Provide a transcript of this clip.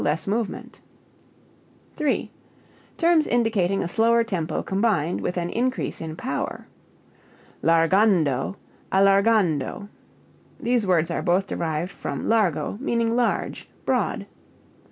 less movement). 3. Terms indicating a slower tempo combined with an increase in power. Largando, allargando. These words are both derived from largo, meaning large, broad.